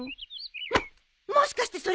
もっもしかしてそれって。